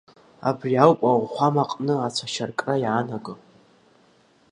Абри ауп ауахәамаҟны ацәашьы аркра иаанаго.